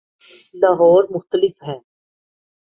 لاہور مختلف ہے۔